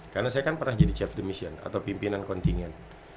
karena saya kan pernah jadi chef de mission atau pimpinan kontingen